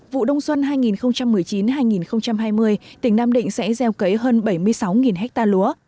vụ đông xuân hai nghìn một mươi chín hai nghìn hai mươi tỉnh nam định sẽ gieo cấy hơn bảy mươi sáu ha lúa